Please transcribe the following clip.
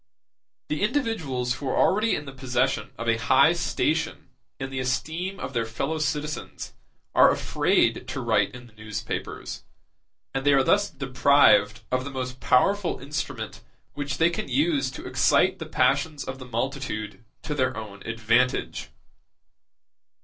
The individuals who are already in the possession of a high station in the esteem of their fellow citizens are afraid to write in the newspapers, and they are thus deprived of the most powerful instrument which they can use to excite the passions of the multitude to their own advantage.